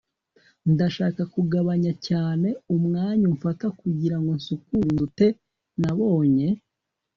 ndashaka kugabanya cyane umwanya umfata kugirango nsukure inzu.t] nabonye